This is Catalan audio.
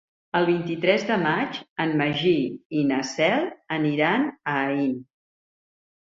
El vint-i-tres de maig en Magí i na Cel aniran a Aín.